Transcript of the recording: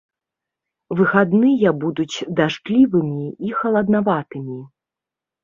Выхадныя будуць дажджлівымі і халаднаватымі.